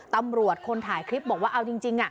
ตำรวจคนถ่ายคลิปบอกว่าเอาจริง